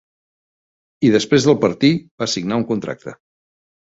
I després del partir va signar un contracte.